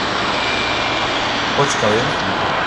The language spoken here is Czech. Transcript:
Počkal jen chvíli.